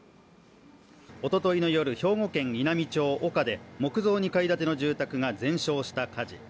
おとといの夜、兵庫県稲美町岡で木造２階建ての住宅が全焼した火事。